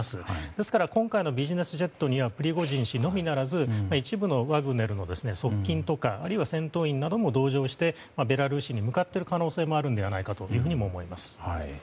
ですから今回のビジネスジェットにはプリゴジン氏のみならず一部のワグネルの側近だとかあるいは戦闘員なども同乗してベラルーシに向かっている可能性もあるのではないかと思います。